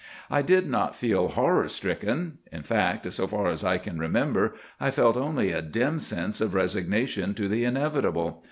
"'I did not feel horror stricken; in fact, so far as I can remember, I felt only a dim sense of resignation to the inevitable.